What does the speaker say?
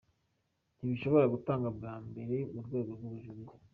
Ntigishobora gutangwa bwa mbere mu rwego rw’ubujurire.